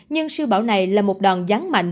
nhưng sưu bão này là một đòn gián mạnh